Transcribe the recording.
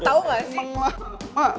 tau gak sih